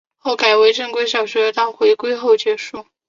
后改为正规小学到回归后结束。